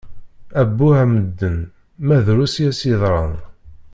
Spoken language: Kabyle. Abbuh a medden, ma drus i as-yeḍran.